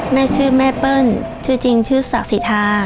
แม่ชื่อแม่เปิ้ลชื่อจริงชื่อศักดิ์สิทา